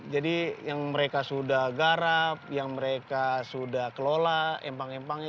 jadi yang mereka sudah garap yang mereka sudah kelola empang empangnya